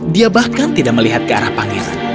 dia bahkan tidak melihat ke arah pangeran